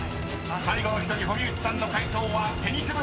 ［最後の１人堀内さんの解答はテニス部。